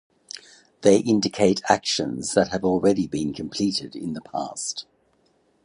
They indicate actions that have already been completed in the past.